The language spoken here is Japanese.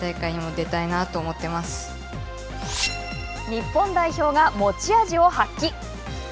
日本代表が持ち味を発揮！